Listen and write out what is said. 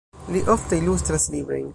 Li ofte ilustras librojn.